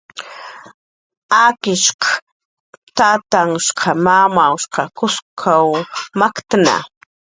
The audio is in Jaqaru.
Akish tatanhshq mamamnhhsh Kuskw maktnna